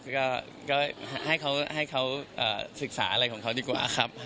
ก็ให้เขาศึกษาอะไรของเขาดีกว่าครับ